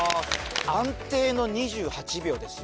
安定の２８秒ですよ